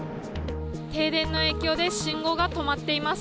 停電の影響で、信号が止まっています。